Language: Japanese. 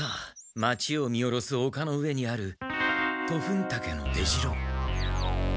町を見下ろす丘の上にあるトフンタケの出城。